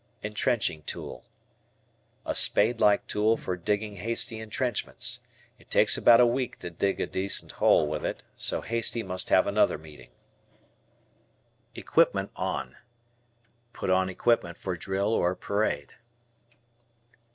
Entrenching Tool. A spade like tool for digging hasty entrenchments. It takes about a week to dig a decent hole with it, so "hasty" must have another meaning. "Equipment on." Put on equipment for drill or parade.